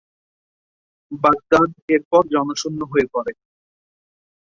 Baghdad এরপর জনশূন্য হয়ে পড়ে।